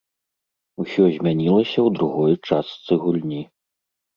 Усё змянілася ў другой частцы гульні.